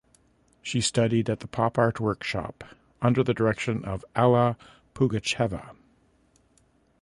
She studied at the pop art workshop under the direction of Alla Pugacheva.